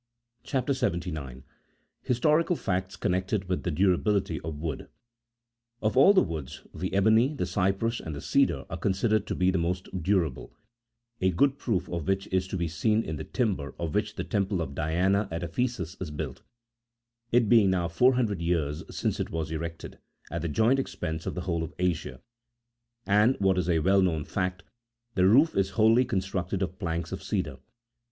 CHAP. 79.— HISTORICAL FACTS CONNECTED WITH THE DURABILITY OF WOOD. Of all the woods, the ebony, the cypress, and the cedar are considered to be the most durable, a good proof of which is to be seen in the timber of which the Temple of Diana at Ephesus is built : it being now four hundred years since it was erected, at the joint expense of the whole of Asia f and, what is a well known fact, the roof is wholly constructed of planks of cedar.